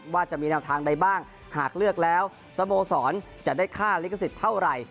ว่าจะมีแนวทางใดบ้างหากเลือกแล้วสโมสรจะได้ค่าลิขสิทธิ์เท่าไหร่